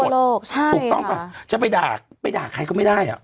มันทั่วโลกใช่ค่ะถูกต้องค่ะจะไปด่าไปด่าใครก็ไม่ได้อ่ะ